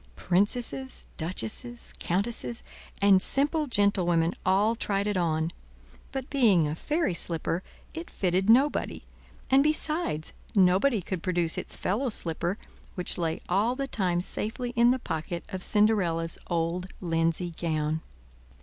Princesses, duchesses, countesses, and simple gentlewomen all tried it on, but being a fairy slipper, it fitted nobody; and besides, nobody could produce its fellow slipper, which lay all the time safely in the pocket of Cinderella's old linsey gown.